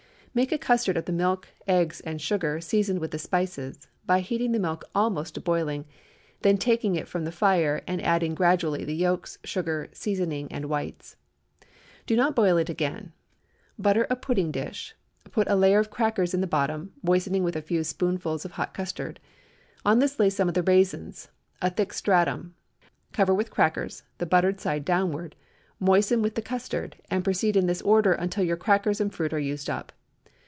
Make a custard of the milk, eggs, and sugar, seasoned with the spices, by heating the milk almost to boiling, then taking it from the fire and adding gradually the yolks, sugar, seasoning, and whites. Do not boil it again. Butter a pudding dish; put a layer of crackers in the bottom, moistening with a few spoonfuls of the hot custard. On this lay some of the raisins—a thick stratum; cover with crackers—the buttered side downward; moisten with the custard, and proceed in this order until your crackers and fruit are used up.